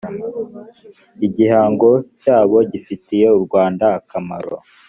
igihangano cyabo gifitiye u rwanda akamaro